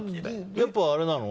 やっぱ、あれなの？